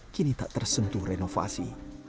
kini tak tersentuh renovasi